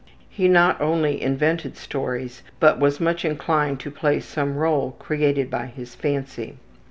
He not only invented stories, but was much inclined to play some role created by his fancy.